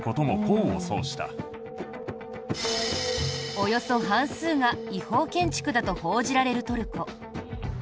およそ半数が違法建築だと報じられるトルコ。